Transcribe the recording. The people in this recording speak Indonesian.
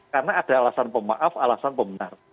karena ada alasan pemaaf alasan pemenar